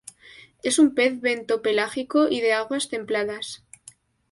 Es un pez bentopelágico y de aguas templadas.